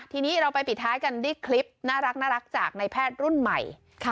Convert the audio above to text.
ทีนี้เราไปปิดท้ายกันด้วยคลิปน่ารักจากในแพทย์รุ่นใหม่